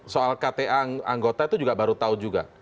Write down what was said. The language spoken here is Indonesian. soal kta anggota itu juga baru tahu juga